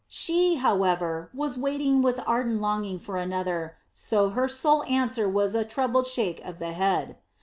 She, however, was waiting with ardent longing for another, so her sole answer was a troubled shake of the head.